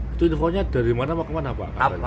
itu informnya dari mana ke mana pak